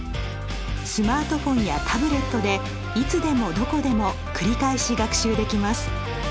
スマートフォンやタブレットでいつでもどこでも繰り返し学習できます。